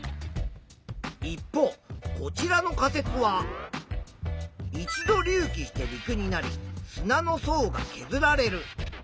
一方こちらの仮説は一度隆起して陸になり砂の層がけずられる。